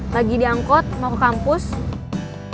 lagi di angkot mau ke kampung